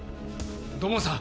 土門さん